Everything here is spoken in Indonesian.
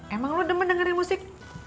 emang lo dem dengerin musik